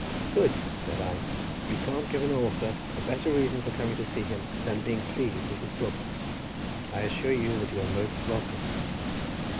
"Good," said I, "you can't give an author a better reason for coming to see him than being pleased with his book. I assure you that you are most welcome."